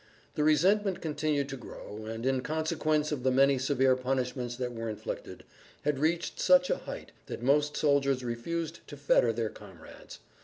The resentment continued to grow and, in consequence of the many severe punishments that were inflicted, had reached such a height that most soldiers refused to fetter their comrades.